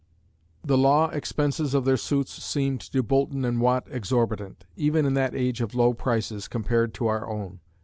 The law expenses of their suits seemed to Boulton and Watt exorbitant, even in that age of low prices compared to our own.